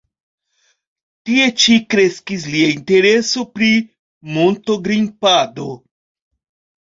Tie ĉi kreskis lia intereso pri monto-grimpado.